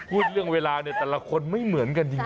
เรื่องเวลาเนี่ยแต่ละคนไม่เหมือนกันจริง